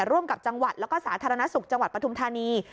ร่วมกับจังหวัดแล้วก็สาธารณสุขจังหวัดปฐุมธานี